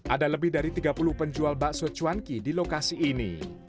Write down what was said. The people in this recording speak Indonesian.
ada lebih dari tiga puluh penjual bakso cuanki di lokasi ini